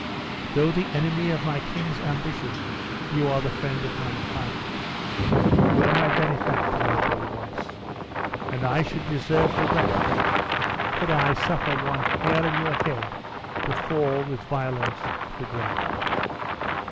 Though the enemy of my king's ambition, you are the friend of mankind. You were my benefactor, noble Wallace; and I should deserve the rack, could I suffer one hair of your head to fall with violence to the ground."